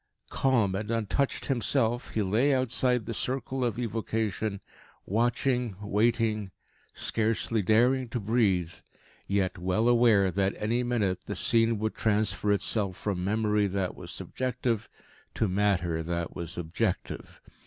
Calm and untouched himself, he lay outside the circle of evocation, watching, waiting, scarcely daring to breathe, yet well aware that any minute the scene would transfer itself from memory that was subjective to matter that was objective.